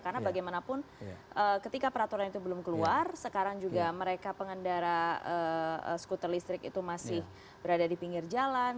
karena bagaimanapun ketika peraturan itu belum keluar sekarang juga mereka pengendara skuter listrik itu masih berada di pinggir jalan